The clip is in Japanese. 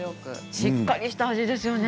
しっかりした味ですね